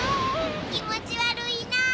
気持ち悪いな。